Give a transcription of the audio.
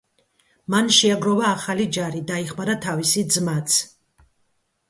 მან შეაგროვა ახალი ჯარი, დაიხმარა თავისი ძმაც.